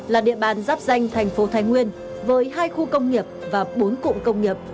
là địa bàn giáp danh thành phố thái nguyên với hai khu công nghiệp và bốn cụm công nghiệp